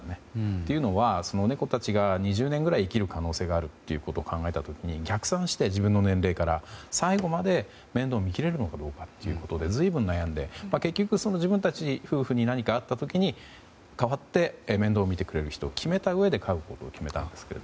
というのも猫たちが２０年くらい生きる可能性があることを考えた時に逆算して、自分の年齢から最後まで面倒をみきれるのかどうかということで随分悩んで結局自分たち夫婦に何かあった時に代わって面倒を見てくれる人を決めたうえで飼うことを決めたんですけど。